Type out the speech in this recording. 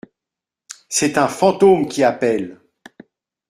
C’est un fantôme qui appelle.